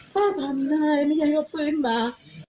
ต้องทำได้ไม่อยากเอาฟื้นมา